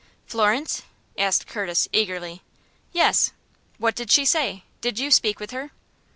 "Florence?" asked Curtis, eagerly. "Yes." "What did she say? Did you speak with her?"